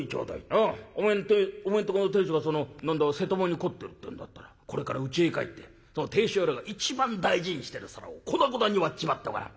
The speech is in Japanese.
うんお前んとこの亭主がその何だ瀬戸物に凝ってるっていうんだったらこれからうちへ帰ってその亭主野郎が一番大事にしてる皿を粉々に割っちまってごらん。